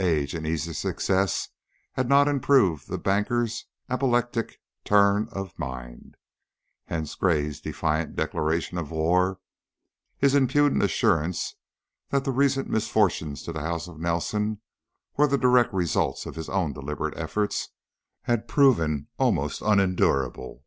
Age and easy success had not improved the banker's apoplectic turn of mind, hence Gray's defiant declaration of war, his impudent assurance that the recent misfortunes to the house of Nelson were the direct results of his own deliberate efforts, had proven almost unendurable.